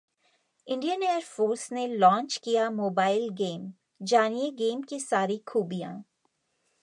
Indian Air Force ने launch किया mobile game, जानिए गेम की सारी खूबियां